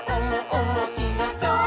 おもしろそう！」